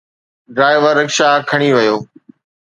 driver rickshaw کڻي ويو